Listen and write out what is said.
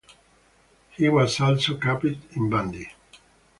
He was also capped in bandy.